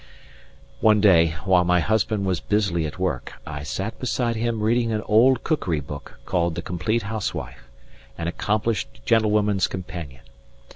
One day, while my husband was busily at work, I sat beside him reading an old cookery book called The Compleat Housewife: or Accomplish'd Gentlewoman's Companion.